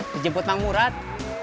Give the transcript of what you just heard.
dijemput bang murad